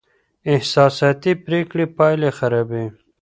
احساساتي پرېکړې پایلې خرابوي.